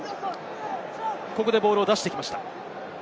ボールを出してきました。